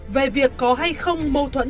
về việc có hay không mâu thuẫn